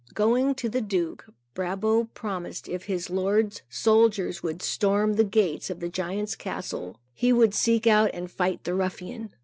Going to the Duke, Brabo promised if his lord's soldiers would storm the gates of the giant's castle, that he would seek out and fight the ruffian.